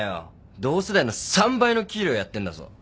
同世代の３倍の給料やってんだぞ。